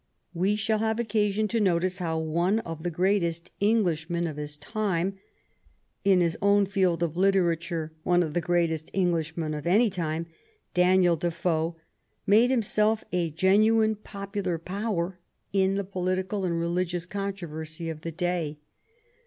We shall have occasion to notice how one of the greatest Englishmen of his time — in his own field of literature one of the greatest Englishmen of any time — Daniel Defoe, made himself a genuine popular power in the political and religious contro versy of the day.